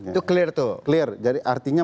itu clear tuh clear jadi artinya